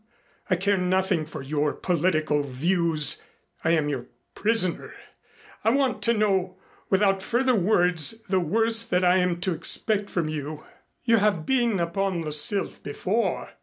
I care nothing for your political views. I am your prisoner. I want to know without further words the worst that I am to expect from you." "You have been upon the Sylph before.